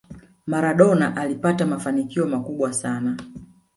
maradona alipata mafanikio makubwa sana